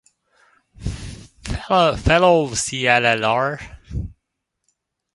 Fellow Cllr.